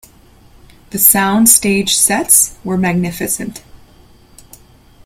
The soundstage sets were magnificent.